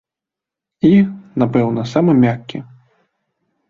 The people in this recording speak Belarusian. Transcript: І, напэўна, самы мяккі.